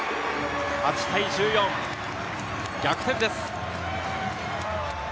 ８対１４、逆転です。